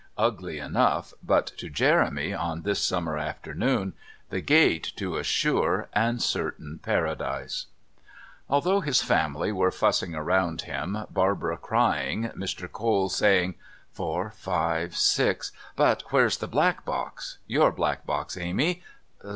Ugly enough, but to Jeremy, on this summer afternoon, the gate to a sure and certain Paradise. Although his family were fussing around him, Barbara crying, Mr. Cole saying: "Four, Five, Six... But where's the black box? Your black box, Amy...